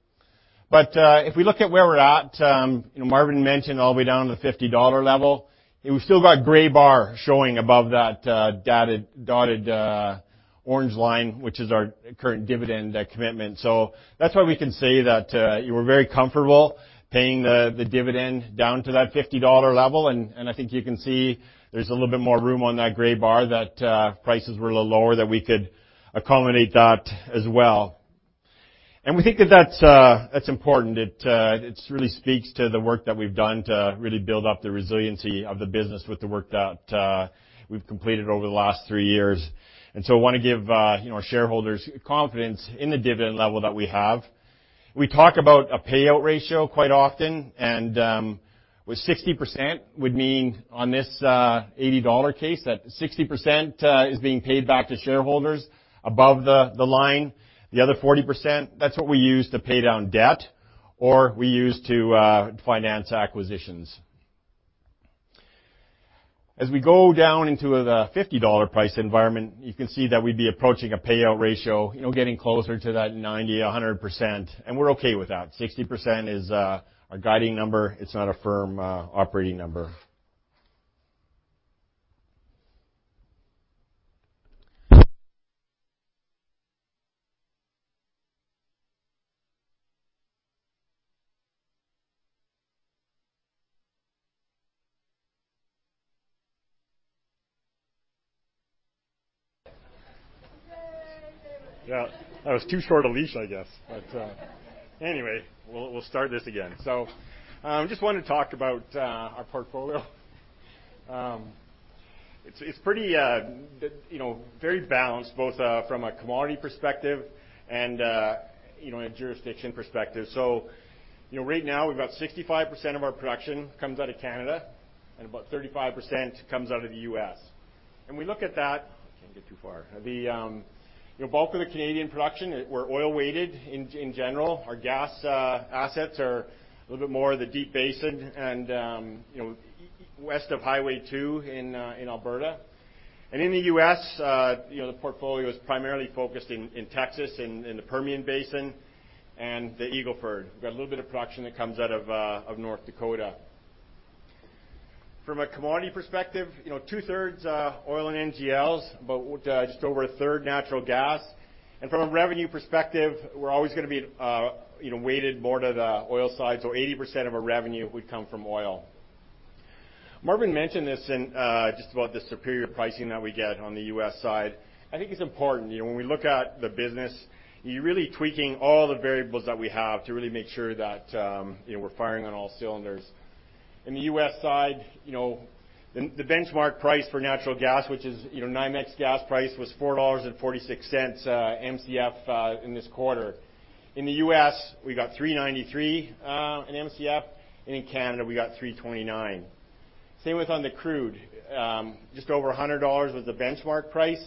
but if we look at where we're at, Marvin mentioned all the way down to the 50 dollar level, and we still got gray bar showing above that dotted orange line, which is our current dividend commitment. That's why we can say that we're very comfortable paying the dividend down to that 50 dollar level. I think you can see there's a little bit more room on that gray bar that prices were a little lower that we could accommodate that as well, and we think that that's important. It really speaks to the work that we've done to really build up the resiliency of the business with the work that we've completed over the last three years, and so I want to give our shareholders confidence in the dividend level that we have. We talk about a payout ratio quite often, and with 60% would mean on this 80 dollar case, that 60% is being paid back to shareholders above the line. The other 40%, that's what we use to pay down debt, or we use to finance acquisitions. As we go down into the 50 dollar price environment, you can see that we'd be approaching a payout ratio, getting closer to that 90%-100%, and we're okay with that. 60% is our guiding number. It's not a firm operating number. Yeah. That was too short a leash, I guess. Anyway, we'll start this again. Just wanted to talk about our portfolio. It's pretty very balanced, both from a commodity perspective and a jurisdiction perspective. Right now about 65% of our production comes out of Canada, and about 35% comes out of the U.S. We look at that. Can't get too far. The bulk of the Canadian production, we're oil-weighted in general. Our gas assets are a little bit more of the Deep Basin and west of Highway 2 in Alberta. In the U.S., the portfolio is primarily focused in Texas and in the Permian Basin and the Eagle Ford, and we've got a little bit of production that comes out of North Dakota. From a commodity perspective, two-thirds oil and NGLs, about just over a third natural gas, and from a revenue perspective, we're always going to be weighted more to the oil side. 80% of our revenue would come from oil. Marvin mentioned this in just about the superior pricing that we get on the U.S. side. I think it's important. When we look at the business, you're really tweaking all the variables that we have to really make sure that we're firing on all cylinders. In the U.S. side, the benchmark price for natural gas, which is NYMEX gas price, was 4.46 dollars Mcf in this quarter. In the U.S., we got 3.93 in Mcf, and in Canada, we got 3.29. Same with the crude. Just over 100 dollars was the benchmark price.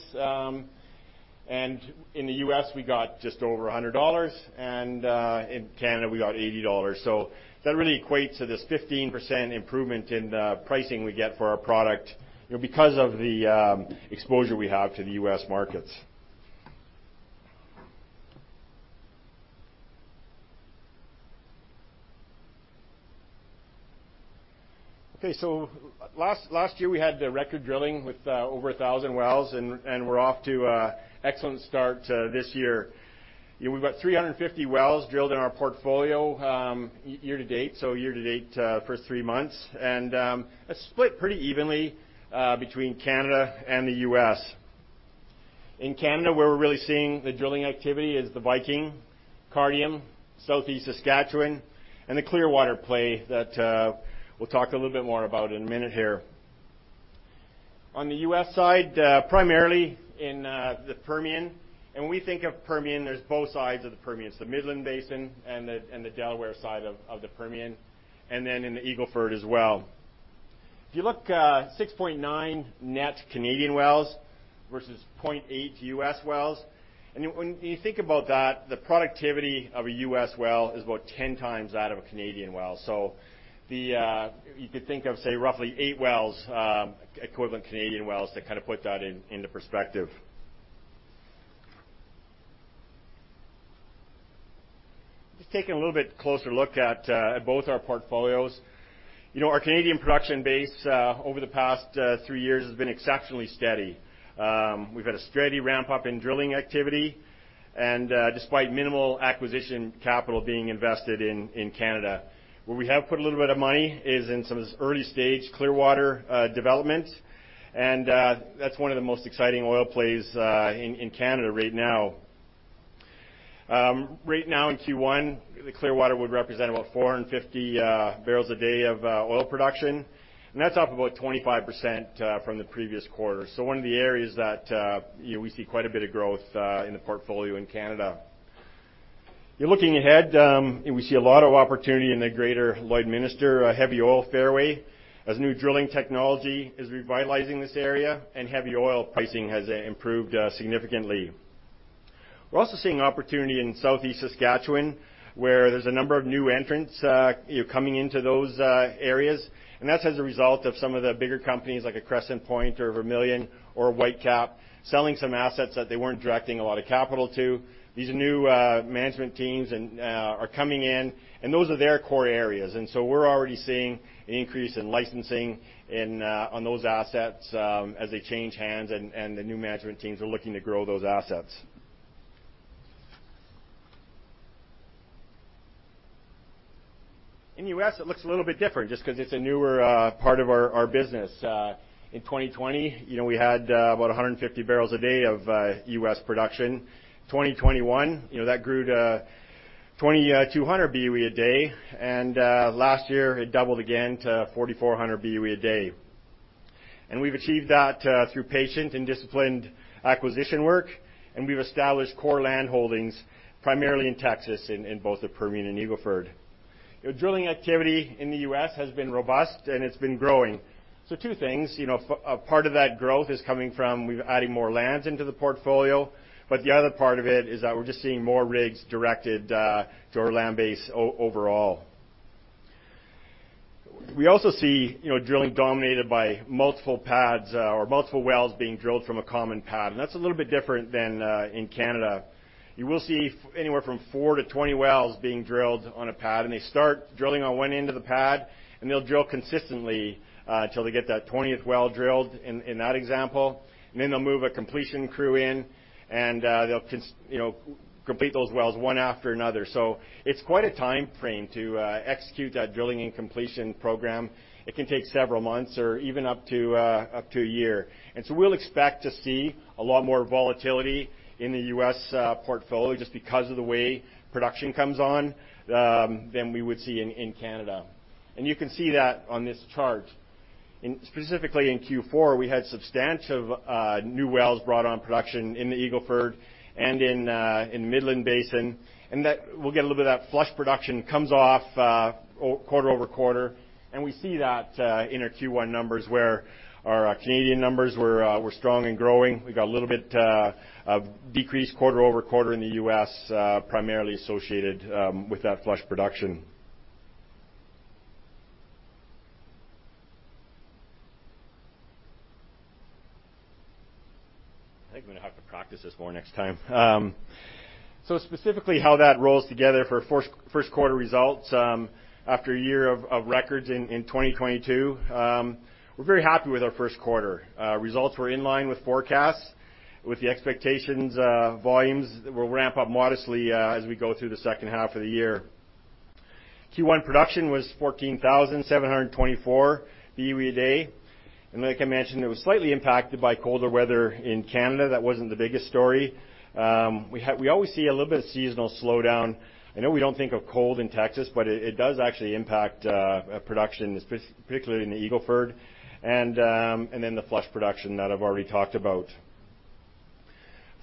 In the U.S., we got just over 100 dollars, and in Canada, we got 80 dollars, so that really equates to this 15% improvement in the pricing we get for our product because of the exposure we have to the U.S. markets. Okay, last year we had the record drilling with over 1,000 wells, and we're off to excellent start this year. We've got 350 wells drilled in our portfolio year to date, so year to date first three months, and split pretty evenly between Canada and the U.S. In Canada, where we're really seeing the drilling activity, is the Viking, Cardium, Southeast Saskatchewan, and the Clearwater Play that we'll talk a little bit more about in a minute here. On the U.S. side, primarily in the Permian. When we think of Permian, there's both sides of the Permian. The Midland Basin and the Delaware side of the Permian, and then in the Eagle Ford as well. If you look, 6.9 net Canadian wells versus 0.8 U.S. wells, and when you think about that, the productivity of a U.S. well is about 10x that of a Canadian well. You could think of, say, roughly wells wells, equivalent Canadian wells to kind of put that into perspective. Just taking a little bit closer look at both our portfolios. Our Canadian production base over the past three years has been exceptionally steady. We've had a steady ramp-up in drilling activity, and despite minimal acquisition capital being invested in Canada. Where we have put a little bit of money is in some of this early-stage Clearwater development, and that's one of the most exciting oil plays in Canada right now. Right now in Q1, Clearwater would represent about 450 barrels a day of oil production, and that's up about 25% from the previous quarte, so one of the areas that we see quite a bit of growth in the portfolio in Canada. Looking ahead, we see a lot of opportunity in the greater Lloydminster heavy oil fairway, as new drilling technology is revitalizing this area and heavy oil pricing has improved significantly. We're also seeing opportunity in southeast Saskatchewan, where there's a number of new entrants coming into those areas. That's as a result of some of the bigger companies, like a Crescent Point or Vermilion or Whitecap, selling some assets that they weren't directing a lot of capital to. These new management teams are coming in, and those are their core areas, and so we're already seeing an increase in licensing on those assets as they change hands, and the new management teams are looking to grow those assets. In the U.S., it looks a little bit different just because it's a newer part of our business. In 2020, we had about 150 barrels a day of U.S. production, 2021, that grew to 2,200 BOE a day, and last year, it doubled again to 4,400 BOE a day, and we've achieved that through patient and disciplined acquisition work, and we've established core land holdings primarily in Texas in both the Permian and Eagle Ford. Drilling activity in the U.S. has been robust, and it's been growing. Two things, part of that growth is coming from, we're adding more lands into the portfolio, but the other part of it is that we're just seeing more rigs directed to our land base overall. We also see drilling dominated by multiple pads or multiple wells being drilled from a common pad, and that's a little bit different than in Canada. You will see anywhere from 4-20 wells being drilled on a pad, and they start drilling on one end of the pad, and they'll drill consistently until they get that 20th well drilled in that example, and then they'll move a completion crew in, and they'll complete those wells one after another. It's quite a time frame to execute that drilling and completion program. It can take several months or even up to a year, and so we'll expect to see a lot more volatility in the U.S. portfolio just because of the way production comes on than we would see in Canada, and so y,ou can see that on this chart. Specifically in Q4, we had substantial new wells brought on production in the Eagle Ford and in Midland Basin. That we'll get a little bit of that flush production comes off quarter-over-quarter, and we see that in our Q1 numbers where our Canadian numbers were strong and growing. We got a little bit of decrease quarter-over-quarter in the U.S., primarily associated with that flush production. I think I'm going to have to practice this more next time. Specifically, how that rolls together for first quarter results. After a year of records in 2022, we're very happy with our first quarter. Results were in line with forecasts, with the expectation that volumes will ramp up modestly as we go through the H2 of the year. Q1 production was 14,724 BOE a day. Like I mentioned, it was slightly impacted by colder weather in Canada. That wasn't the biggest story. We always see a little bit of seasonal slowdown. I know we don't think of cold in Texas, but it does actually impact production, particularly in the Eagle Ford, and then the flush production that I've already talked about.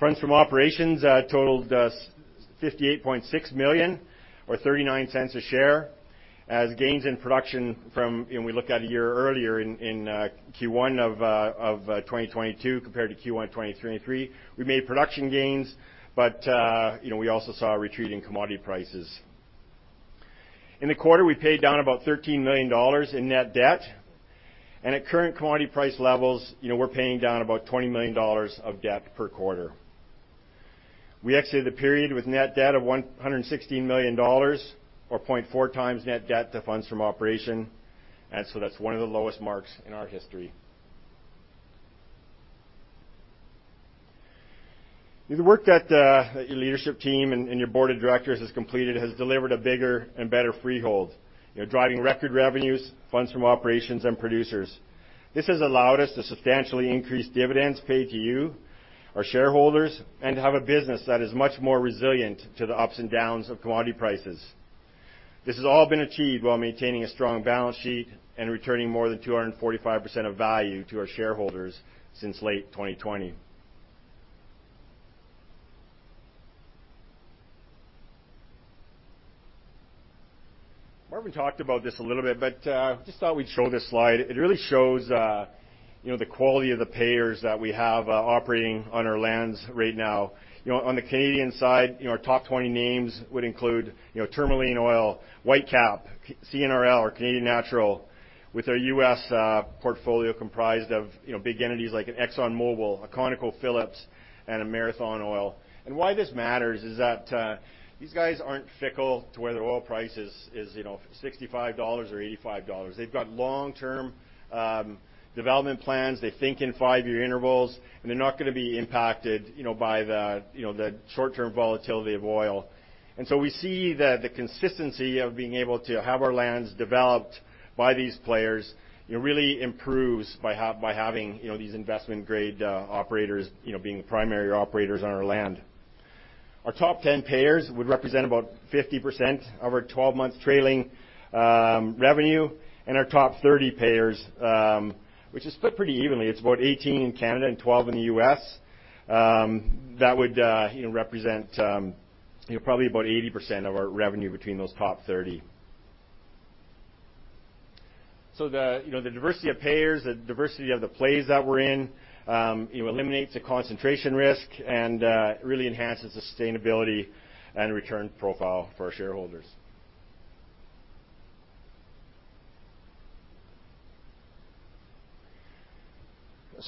Funds from operations totaled 58.6 million or 0.39 a share. Looking at a year earlier in Q1 of 2022 compared to Q1 2023, we made production gains, but we also saw a retreat in commodity prices. In the quarter, we paid down about 13 million dollars in net debt, and at current commodity price levels, we're paying down about 20 million dollars of debt per quarter. We exited the period with net debt of 116 million dollars, or 0.4x net debt to funds from operations, and so that's one of the lowest marks in our history. The work that your leadership team and your board of directors has completed has delivered a bigger and better Freehold, driving record revenues, funds from operations, and production. This has allowed us to substantially increase dividends paid to you, our shareholders, and have a business that is much more resilient to the ups and downs of commodity prices. This has all been achieved while maintaining a strong balance sheet and returning more than 245% of value to our shareholders since late 2020. Marvin talked about this a little bit, but just thought we'd show this slide. It really shows the quality of the payers that we have operating on our lands right now. On the Canadian side, our top 20 names would include Tourmaline Oil, Whitecap, CNRL or Canadian Natural, with our U.S. portfolio comprised of big entities like an ExxonMobil, a ConocoPhillips, and a Marathon Oil, and why this matters is that these guys aren't fickle to whether oil price is 65 dollars or 85 dollars. They've got long-term development plans. They think in five-year intervals, and they're not going to be impacted by the short-term volatility of oil. We see that the consistency of being able to have our lands developed by these players really improves by having these investment-grade operators, being the primary operators on our land. Our top 10 payers would represent about 50% of our 12-month trailing revenue, and our top 30 payers, which is split pretty evenly. It's about 18 in Canada and 12 in the U.S. That would represent probably about 80% of our revenue between those top 30. The diversity of payers, the diversity of the plays that we're in, eliminates the concentration risk and really enhances sustainability and return profile for our shareholders.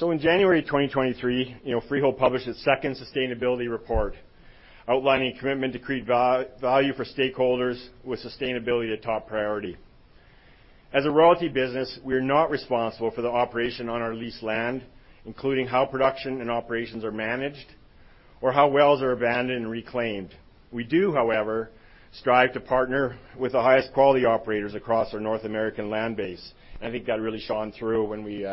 In January 2023, Freehold published its second sustainability report outlining commitment to create value for stakeholders, with sustainability a top priority. As a royalty business, we are not responsible for the operation on our leased land, including how production and operations are managed or how wells are abandoned and reclaimed. We do, however, strive to partner with the highest quality operators across our North American land base, and I think that really shone through when we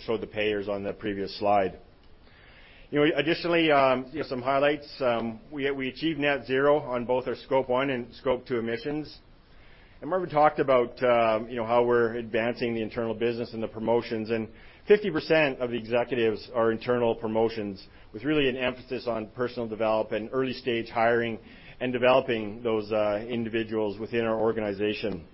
showed the players on the previous slide. Additionally, some highlights. We achieved net zero on both our Scope one and Scope two emissions. Marvin talked about how we're advancing the internal business and the promotions, and 50% of the executives are internal promotions with really an emphasis on personal development, early stage hiring, and developing those individuals within our organization.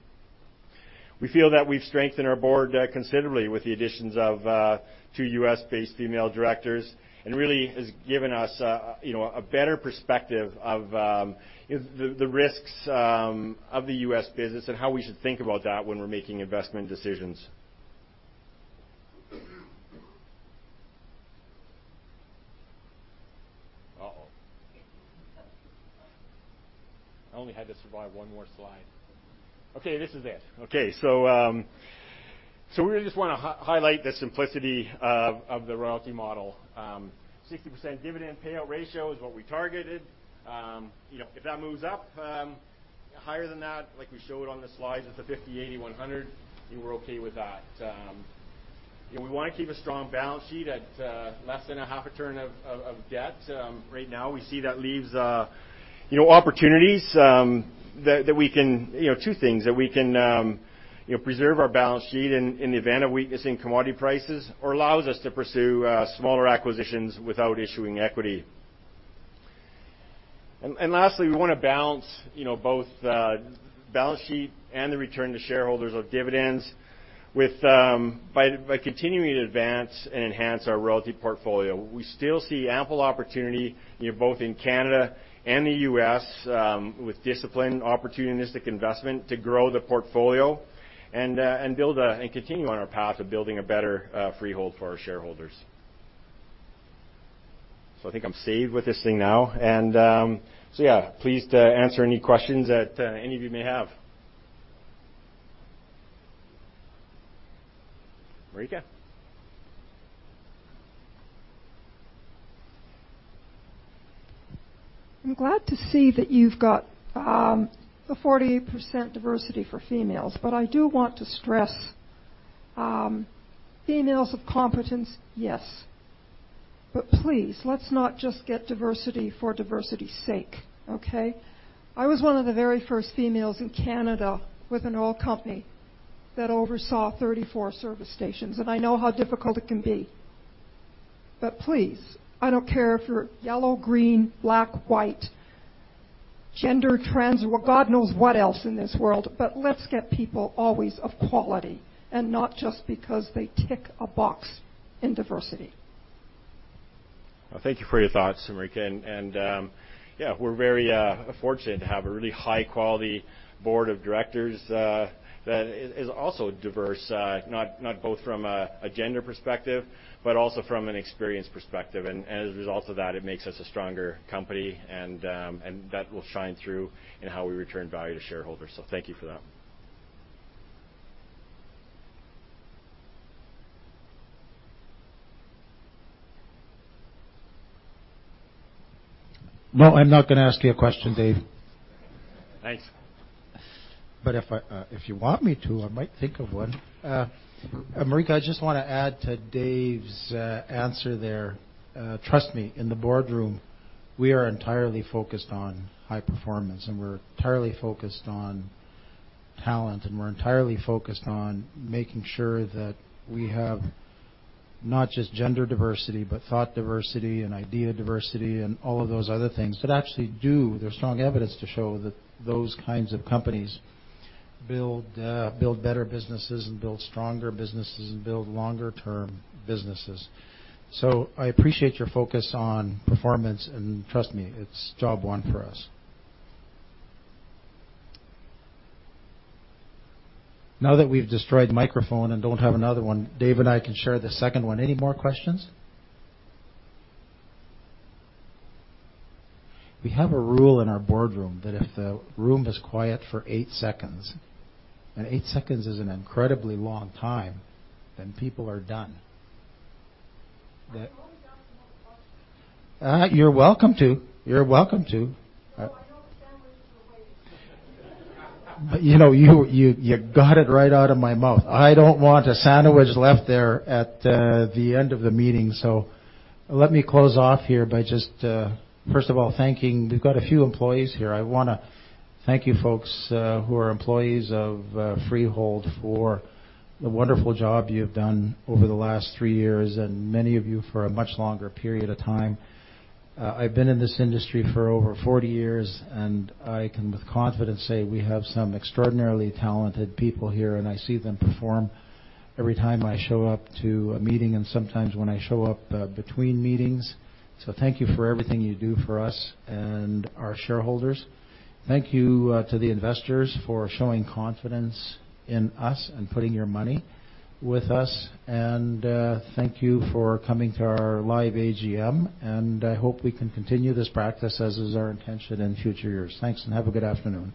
We feel that we've strengthened our board considerably with the additions of two U.S.-based female directors and really has given us a better perspective of the risks of the U.S. business and how we should think about that when we're making investment decisions. I only had to survive one more slide. Okay, this is it. Okay. We just want to highlight the simplicity of the royalty model. 60% dividend payout ratio is what we targeted. If that moves up higher than that, like we showed on the slides, it's a 50%, 80%, 100%, we're okay with that. We want to keep a strong balance sheet at less than a half a turn of debt. Right now, we see that leaves opportunities that we can. Two things, that we can preserve our balance sheet in the event of weakness in commodity prices or allows us to pursue smaller acquisitions without issuing equity. Lastly, we want to balance both the balance sheet and the return to shareholders of dividends by continuing to advance and enhance our royalty portfolio. We still see ample opportunity both in Canada and the U.S. with disciplined, opportunistic investment to grow the portfolio and continue on our path of building a better Freehold for our shareholders. I think I'm saved with this thing now. Yeah, pleased to answer any questions that any of you may have. Marika? I'm glad to see that you've got a 48% diversity for females, but I do want to stress, females of competence, yes, but please, let's not just get diversity for diversity's sake, okay? I was one of the very first females in Canada with an oil company that oversaw 34 service stations, and I know how difficult it can be, but please, I don't care if you're yellow, green, black, white, gender trends, or God knows what else in this world, but let's get people always of quality and not just because they tick a box in diversity. Thank you for your thoughts, Marika. Yeah, we're very fortunate to have a really high-quality board of directors that is also diverse, not both from a gender perspective, but also from an experience perspective, and as a result of that, it makes us a stronger company, and that will shine through in how we return value to shareholders. Thank you for that. No, I'm not going to ask you a question, Dave. Nice. If you want me to, I might think of one. Marika, I just want to add to Dave's answer there. Trust me, in the boardroom, we are entirely focused on high performance, and we're entirely focused on talent, and we're entirely focused on making sure that we have not just gender diversity, but thought diversity and idea diversity and all of those other things that actually do. There's strong evidence to show that those kinds of companies build better businesses, and build stronger businesses, and build longer-term businesses. I appreciate your focus on performance, and trust me, it's job one for us. Now that we've destroyed the microphone and don't have another one, Dave and I can share the second one. Any more questions? We have a rule in our boardroom that if the room is quiet for eight seconds, and eight seconds is an incredibly long time, then people are done. I can always answer more questions. You're welcome to. No, I know the sandwich is waiting. You know, you got it right out of my mouth. I don't want a sandwich left there at the end of the meeting, so let me close off here by just, first of all, thanking. We've got a few employees here. I want to thank you folks who are employees of Freehold for the wonderful job you've done over the last three years, and many of you for a much longer period of time. I've been in this industry for over 40 years, and I can with confidence say we have some extraordinarily talented people here, and I see them perform every time I show up to a meeting and sometimes when I show up between meetings, so thank you for everything you do for us and our shareholders. Thank you to the investors for showing confidence in us and putting your money with us. Thank you for coming to our live AGM, and I hope we can continue this practice as is our intention in future years. Thanks, and have a good afternoon.